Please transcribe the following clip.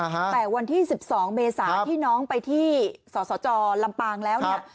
แต่วันที่๑๒เมษาที่นางไปที่ศศรลำปางแล้ว